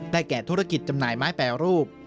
แก่ธุรกิจจำหน่ายไม้แปรรูป